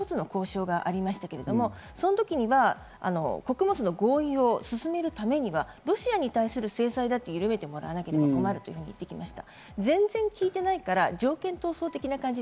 例えば７月、穀物の交渉がありましたけれども、その時は穀物の合意を進めるためにはロシアに対する制裁も緩めてもらわなければ困ると言っていました。